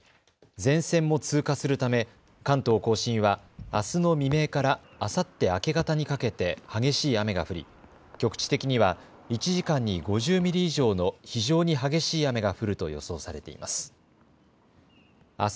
前線も通過するため関東甲信はあすの未明からあさって明け方にかけて激しい雨が降り局地的には１時間に５０ミリ以上の非常に激しい雨が降ると予想されています。